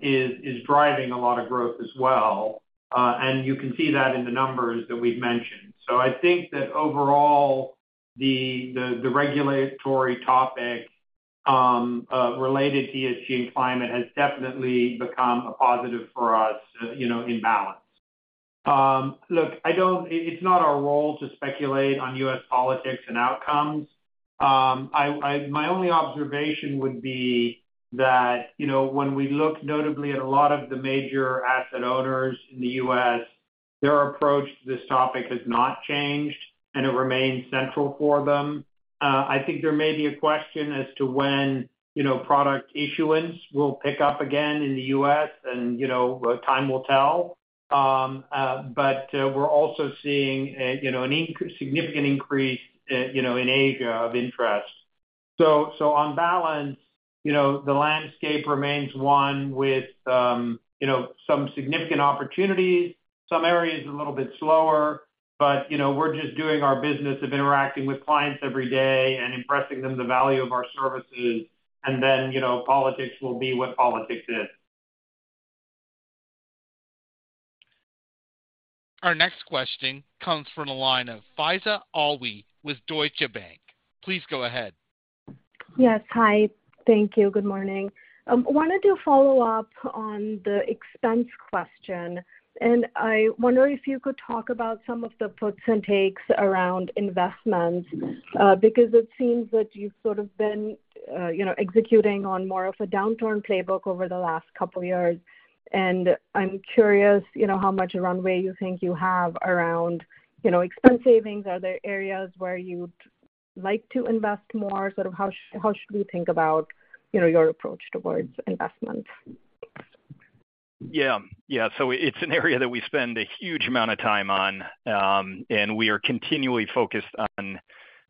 is driving a lot of growth as well, and you can see that in the numbers that we've mentioned. So I think that overall, the regulatory topic related to ESG and Climate has definitely become a positive for us, you know, in balance. Look, it's not our role to speculate on U.S. politics and outcomes. My only observation would be that, you know, when we look notably at a lot of the major asset owners in the U.S., their approach to this topic has not changed, and it remains central for them. I think there may be a question as to when, you know, product issuance will pick up again in the U.S., and, you know, well, time will tell. But we're also seeing a, you know, a significant increase, you know, in areas of interest. So on balance, you know, the landscape remains one with, you know, some significant opportunities, some areas a little bit slower. But, you know, we're just doing our business of interacting with clients every day and impressing them the value of our services, and then, you know, politics will be what politics is. Our next question comes from the line of Faiza Alwy with Deutsche Bank. Please go ahead. Yes. Hi, thank you. Good morning. Wanted to follow up on the expense question, and I wonder if you could talk about some of the puts and takes around investments, because it seems that you've sort of been, you know, executing on more of a downturn playbook over the last couple of years. And I'm curious, you know, how much runway you think you have around, you know, expense savings. Are there areas where you'd like to invest more? Sort of how should we think about, you know, your approach towards investments? Yeah. Yeah, so it's an area that we spend a huge amount of time on, and we are continually focused on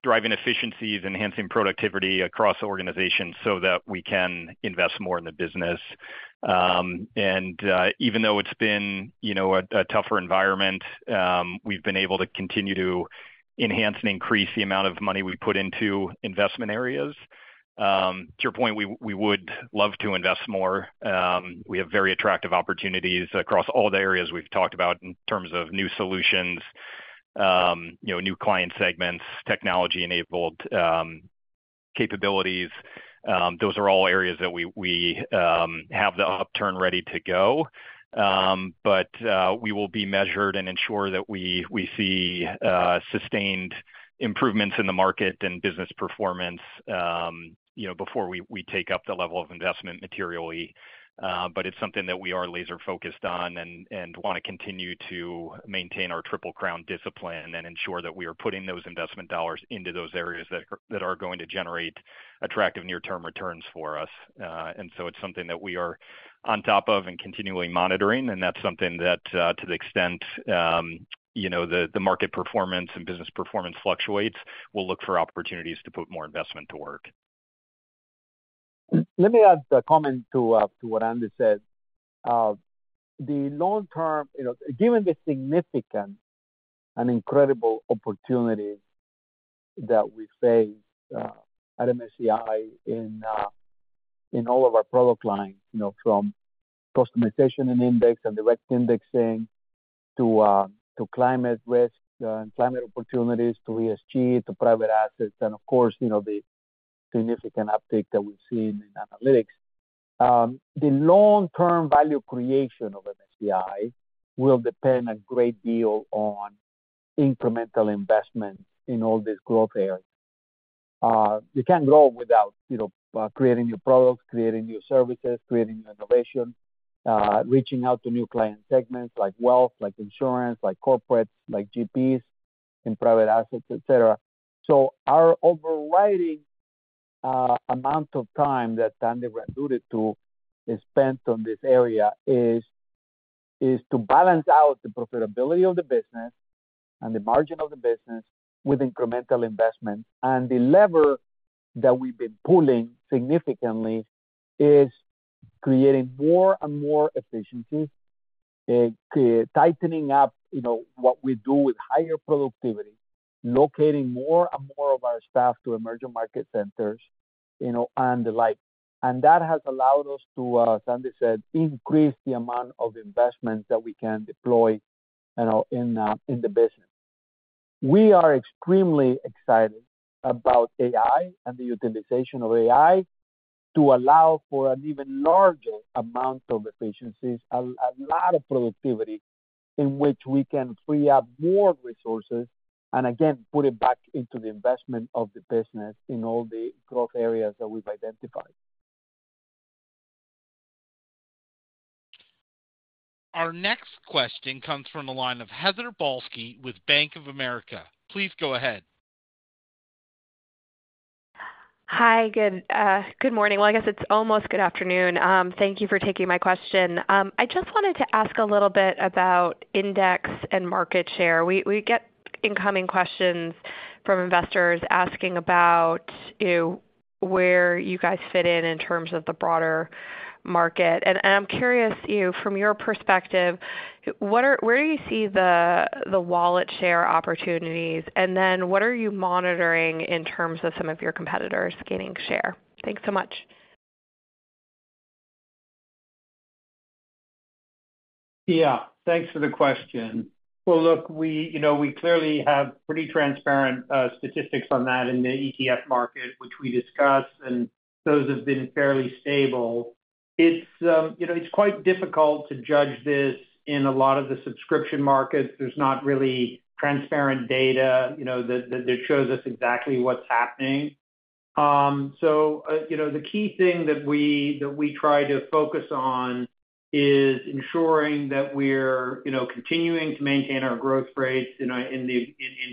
driving efficiencies, enhancing productivity across the organization so that we can invest more in the business. And even though it's been, you know, a tougher environment, we've been able to continue to enhance and increase the amount of money we put into investment areas. To your point, we would love to invest more. We have very attractive opportunities across all the areas we've talked about in terms of new solutions, you know, new client segments, technology-enabled capabilities. Those are all areas that we have the upturn ready to go. But we will be measured and ensure that we see sustained improvements in the market and business performance, you know, before we take up the level of investment materially. But it's something that we are laser-focused on and wanna continue to maintain our Triple Crown discipline and ensure that we are putting those investment dollars into those areas that are going to generate attractive near-term returns for us. And so it's something that we are on top of and continually monitoring, and that's something that, to the extent, you know, the market performance and business performance fluctuates, we'll look for opportunities to put more investment to work. Let me add a comment to what Andy said. The long term, you know, given the significant and incredible opportunity that we face at MSCI in all of our product lines, you know, from customization and index and direct indexing to Climate risk and Climate opportunities, to ESG, to private assets, and of course, you know, the significant uptick that we've seen in analytics. The long-term value creation of MSCI will depend a great deal on incremental investment in all these growth areas. You can't grow without, you know, creating new products, creating new services, creating innovation, reaching out to new client segments like wealth, like insurance, like corporates, like GPs, in private assets, et cetera. So our overriding amount of time, that Andy alluded to, is spent on this area is to balance out the profitability of the business and the margin of the business with incremental investment. And the lever that we've been pulling significantly is creating more and more efficiency, tightening up, you know, what we do with higher productivity, locating more and more of our staff to emerging market centers, you know, and the like. And that has allowed us to, as Andy said, increase the amount of investment that we can deploy, you know, in the business. We are extremely excited about AI and the utilization of AI to allow for an even larger amount of efficiencies and a lot of productivity, in which we can free up more resources, and again, put it back into the investment of the business in all the growth areas that we've identified. Our next question comes from the line of Heather Balsky with Bank of America. Please go ahead. Hi, good, good morning. Well, I guess it's almost good afternoon. Thank you for taking my question. I just wanted to ask a little bit about Index and market share. We get incoming questions from investors asking about where you guys fit in, in terms of the broader market. And I'm curious, from your perspective, where do you see the wallet share opportunities? And then, what are you monitoring in terms of some of your competitors gaining share? Thanks so much. Yeah, thanks for the question. Well, look, we, you know, we clearly have pretty transparent statistics on that in the ETF market, which we discussed, and those have been fairly stable. It's, you know, it's quite difficult to judge this in a lot of the subscription markets. There's not really transparent data, you know, that shows us exactly what's happening. So, you know, the key thing that we try to focus on is ensuring that we're, you know, continuing to maintain our growth rates, you know, in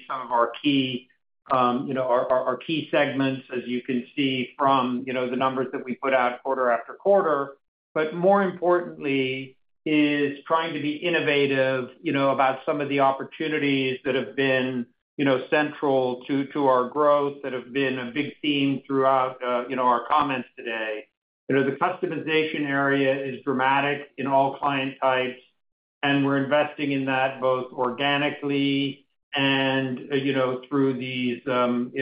some of our key, you know, our key segments, as you can see from, you know, the numbers that we put out quarter-after-quarter. But more importantly, is trying to be innovative, you know, about some of the opportunities that have been, you know, central to, to our growth, that have been a big theme throughout, you know, our comments today. You know, the customization area is dramatic in all client types, and we're investing in that both organically and, you know, through these, some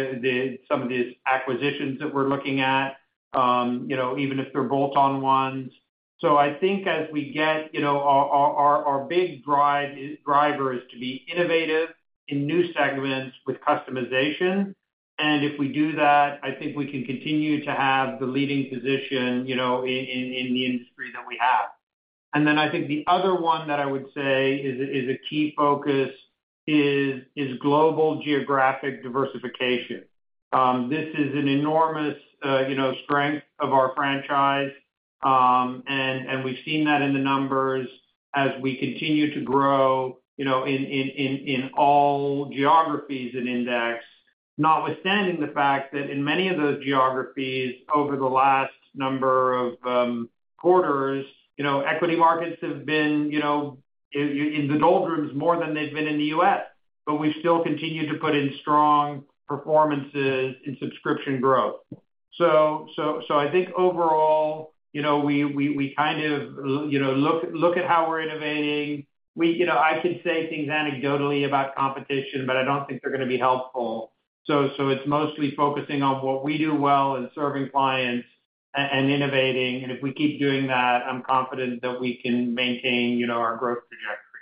of these acquisitions that we're looking at, you know, even if they're bolt-on ones. So I think as we get, you know, our big driver is to be innovative in new segments with customization. And if we do that, I think we can continue to have the leading position, you know, in the industry that we have. And then I think the other one that I would say is a key focus is global geographic diversification. This is an enormous, you know, strength of our franchise. And we've seen that in the numbers as we continue to grow, you know, in all geographies and index, notwithstanding the fact that in many of those geographies over the last number of quarters, you know, equity markets have been, you know, in the doldrums more than they've been in the U.S., but we've still continued to put in strong performances in subscription growth. So, I think overall, you know, we kind of, you know, look at how we're innovating. We, you know, I could say things anecdotally about competition, but I don't think they're gonna be helpful. So, it's mostly focusing on what we do well and serving clients and innovating, and if we keep doing that, I'm confident that we can maintain, you know, our growth trajectory.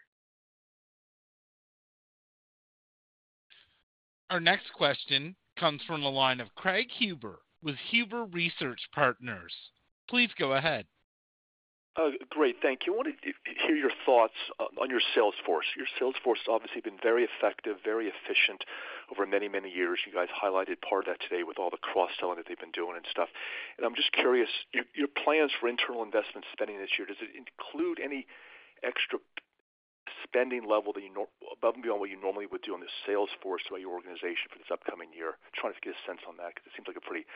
Our next question comes from the line of Craig Huber with Huber Research Partners. Please go ahead. Great, thank you. I wanted to hear your thoughts on your sales force. Your sales force has obviously been very effective, very efficient over many, many years. You guys highlighted part of that today with all the cross-selling that they've been doing and stuff. And I'm just curious, your, your plans for internal investment spending this year, does it include any extra spending level that you above and beyond what you normally would do on the sales force by your organization for this upcoming year? Trying to get a sense on that, because it seems like a pretty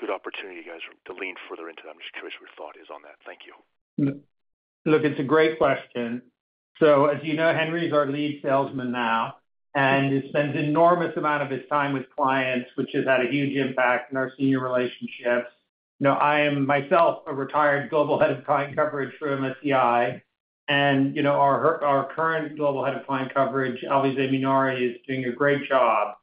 good opportunity you guys, to lean further into that. I'm just curious what your thought is on that. Thank you. Look, it's a great question. So as you know, Henry is our lead salesman now, and he spends enormous amount of his time with clients, which has had a huge impact on our senior relationships. You know, I am myself a retired global head of client coverage from MSCI, and, you know, our current global head of client coverage, Alvise Munari, is doing a great job.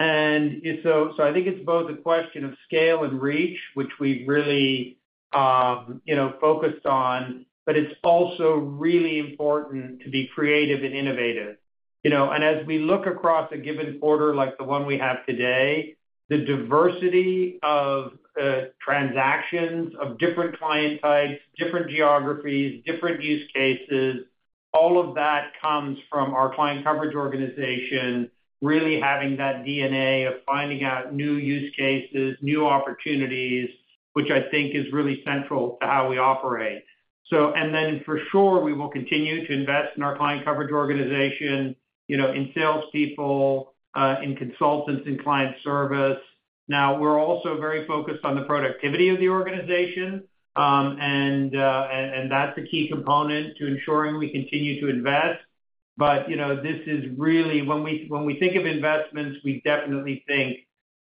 And so I think it's both a question of scale and reach, which we've really, you know, focused on, but it's also really important to be creative and innovative. You know, and as we look across a given quarter, like the one we have today, the diversity of transactions of different client types, different geographies, different use cases, all of that comes from our client coverage organization, really having that DNA of finding out new use cases, new opportunities, which I think is really central to how we operate. So, and then for sure, we will continue to invest in our client coverage organization, you know, in salespeople, in consultants, and client service. Now, we're also very focused on the productivity of the organization, and that's a key component to ensuring we continue to invest. But, you know, this is really when we think of investments, we definitely think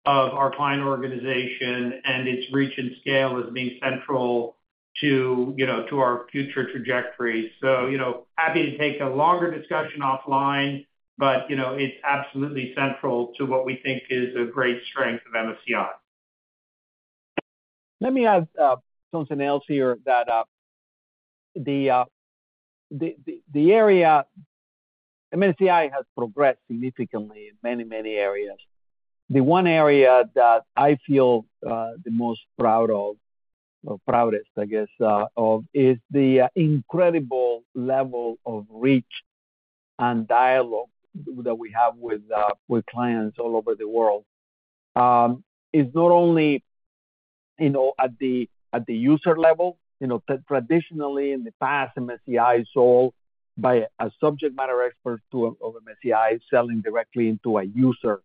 of our client organization and its reach and scale as being central to, you know, to our future trajectory. So, you know, happy to take a longer discussion offline, but, you know, it's absolutely central to what we think is a great strength of MSCI. Let me add something else here, that MSCI has progressed significantly in many, many areas. The one area that I feel the most proud of, or proudest, I guess, of, is the incredible level of reach and dialogue that we have with clients all over the world. It's not only, you know, at the user level. You know, traditionally, in the past, MSCI sold by a subject matter expert of MSCI selling directly into a user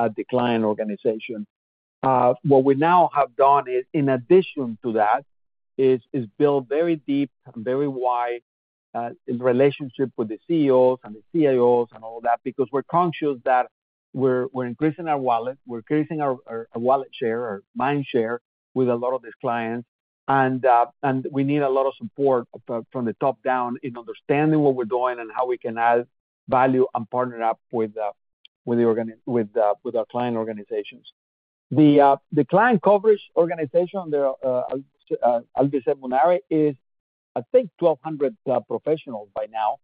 at the client organization. What we now have done is, in addition to that, build very deep and very wide in relationship with the CEOs and the CIOs and all that, because we're conscious that we're increasing our wallet, we're increasing our wallet share or mind share with a lot of these clients, and we need a lot of support from the top down in understanding what we're doing and how we can add value and partner up with our client organizations. The client coverage organization, as I said, Munari, is, I think, 1,200 professionals by now,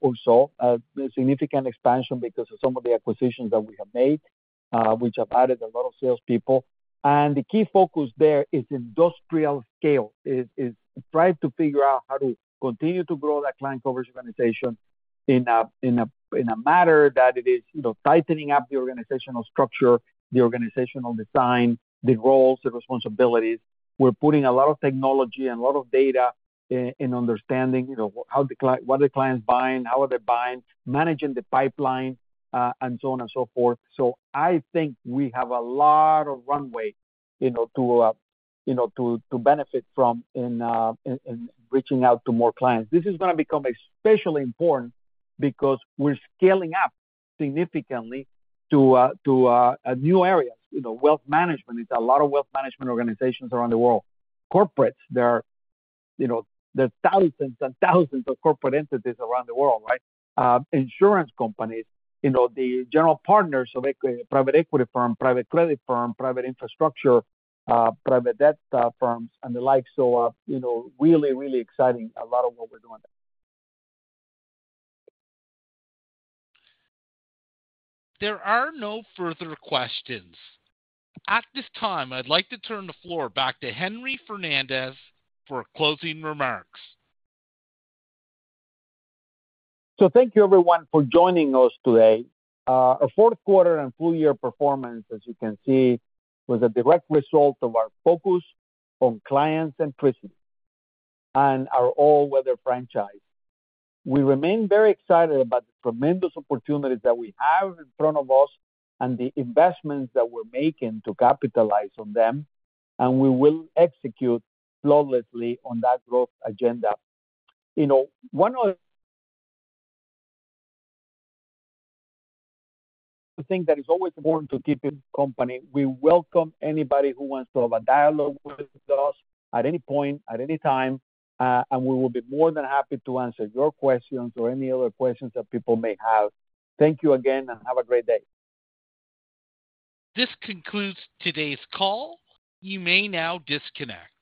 or so. A significant expansion because of some of the acquisitions that we have made, which have added a lot of salespeople. And the key focus there is industrial scale, is to try to figure out how to continue to grow that client coverage organization in a manner that it is, you know, tightening up the organizational structure, the organizational design, the roles, the responsibilities. We're putting a lot of technology and a lot of data in understanding, you know, how the client. What are the clients buying? How are they buying? Managing the pipeline, and so on and so forth. So I think we have a lot of runway, you know, to benefit from in reaching out to more clients. This is gonna become especially important because we're scaling up significantly to a new area. You know, wealth management. It's a lot of wealth management organizations around the world. Corporates, there are, you know, there are thousands and thousands of corporate entities around the world, right? Insurance companies, you know, the general partners of equity, private equity firm, private credit firm, private infrastructure, private debt, firms, and the like. So, you know, really, really exciting, a lot of what we're doing. There are no further questions. At this time, I'd like to turn the floor back to Henry Fernandez for closing remarks. Thank you, everyone, for joining us today. Our fourth quarter and full year performance, as you can see, was a direct result of our focus on clients and precision and our all-weather franchise. We remain very excited about the tremendous opportunities that we have in front of us and the investments that we're making to capitalize on them, and we will execute flawlessly on that growth agenda. You know, one of the things that is always important to keep in mind, we welcome anybody who wants to have a dialogue with us at any point, at any time, and we will be more than happy to answer your questions or any other questions that people may have. Thank you again, and have a great day. This concludes today's call. You may now disconnect.